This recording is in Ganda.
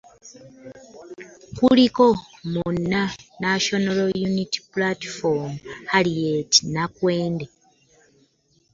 Kuliko munna National Unity Platform, Harriet Nakwedde.